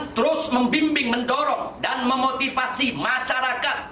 dengan terus membimbing mendorong dan memotivasi keadaan kita dari hal ini ini adalah hal yang paling penting